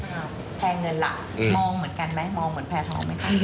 แพรเงินล่ะมองเหมือนกันไหมมองเหมือนแพร่ทองไหมคะ